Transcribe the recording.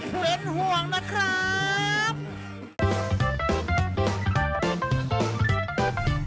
เป็นห่วงนะครับ